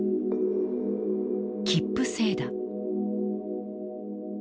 切符制だ。